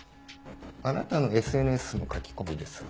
あなたのＳＮＳの書き込みです。